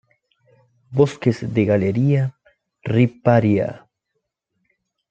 Bosques de galería, riparia.